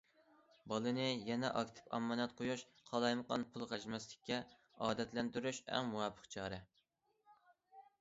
بالىنى يەنە ئاكتىپ ئامانەت قويۇش، قالايمىقان پۇل خەجلىمەسلىككە ئادەتلەندۈرۈش ئەڭ مۇۋاپىق چارە.